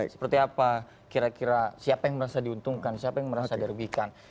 seperti apa kira kira siapa yang merasa diuntungkan siapa yang merasa dirugikan